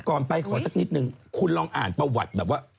ก่อนไปขอสักนิดนึงคุณลองอ่านประวัติแบบว่า